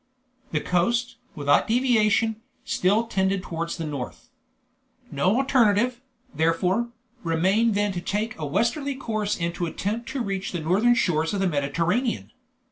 The coast, without deviation, still tended towards the north. No alternative, therefore, remained than to take a westerly course and to attempt to reach the northern shores of the Mediterranean.